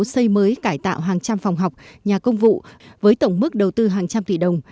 xây mới cải tạo hàng trăm phòng học nhà công vụ với tổng mức đầu tư hàng trăm tỷ đồng